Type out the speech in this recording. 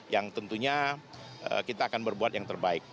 yang tentunya kita akan berbuat yang terbaik